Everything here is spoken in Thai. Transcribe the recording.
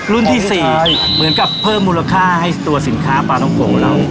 รุ่นที่สี่เหมือนกับเพิ่มมูลค่าให้สินค้าปลาต้องโห๋เราโอ้โห